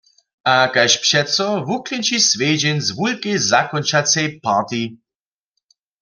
A kaž přeco wuklinči swjedźeń z wulkej zakónčacej party.